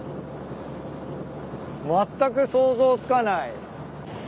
まったく想像つかない。